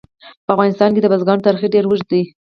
په افغانستان کې د بزګانو تاریخ ډېر اوږد دی.